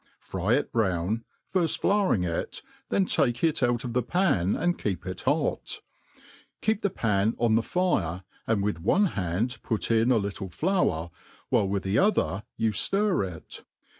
Fry it brown, firft flouring it, then take it out of the pan and keep it hot; keep the pan on the fire, and with one hand put in a little flour, while with the other you ftir it.